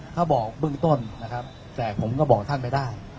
เขาบอกเบื้องต้นนะครับแต่ผมก็บอกท่านไม่ได้